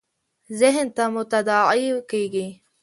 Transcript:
ذهن ته مو تداعي کېږي .